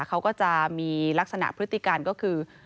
เขาก็จะมีลักษณะพฤติการก็คือ